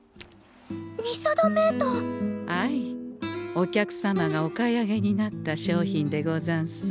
お客様がお買い上げになった商品でござんす。